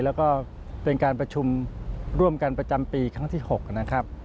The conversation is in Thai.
แล้วก็เป็นการประชุมร่วมกันประจำปีครั้งที่๖นะครับ